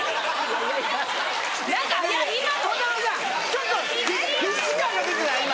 ちょっと必死感が出てた今。